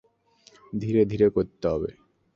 ধীরে ধীরে করতে হবে।